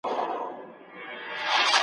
ول کمک را سره وکړه زما وروره